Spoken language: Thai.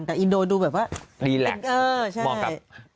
แต่อินโดดูแบบว่าเป็นเออใช่มีดอกดอกอยู่